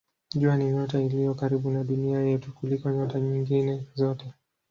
Jua ni nyota iliyo karibu na Dunia yetu kuliko nyota nyingine zote.